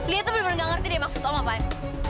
lia tuh bener bener gak ngerti dia maksud om apaan